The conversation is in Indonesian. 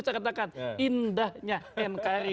saya katakan indahnya nkri